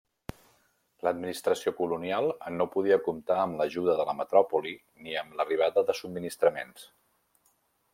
L'administració colonial no podia comptar amb l'ajuda de la metròpoli ni amb l'arribada de subministraments.